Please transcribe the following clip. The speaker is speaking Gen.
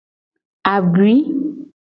Abui.